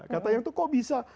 kata yang itu kok bisa